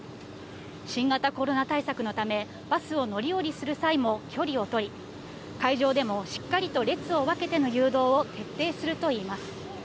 新型コロナ対策のため、バスを乗り降りする際も距離を取り、会場でもしっかりと列を分けての誘導を徹底するといいます。